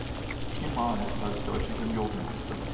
Viermal war sie Deutsche Juniorenmeisterin.